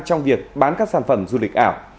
trong việc bán các sản phẩm du lịch ảo